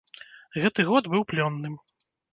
Гэты год быў плённым.